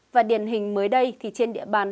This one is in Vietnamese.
và điển hình mới đây thì trên địa bàn